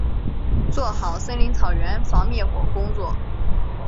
做好森林草原防灭火工作